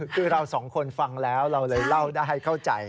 คือเราสองคนฟังแล้วเราเลยเล่าได้ให้เข้าใจ